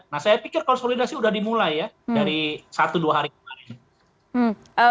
nah saya pikir konsolidasi sudah dimulai ya dari satu dua hari kemarin